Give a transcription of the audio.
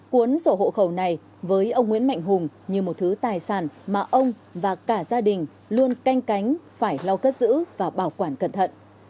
cuốn sổ hộ khẩu này với ông nguyễn mạnh hùng như một thứ tài sản mà ông và cả gia đình luôn canh cánh phải lau cất giữ và bảo quản cẩn thận